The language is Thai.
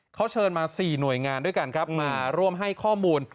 เขาเชิญมา๔หน่วยงานด้วยกันครับมาร่วมให้ข้อมูล